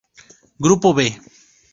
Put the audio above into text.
Group B